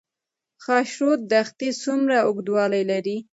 خاشرود دښتې څومره اوږدوالی لري؟